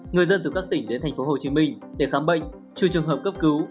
người dân từ các tỉnh đến thành phố hồ chí minh để khám bệnh trừ trường hợp cấp cứu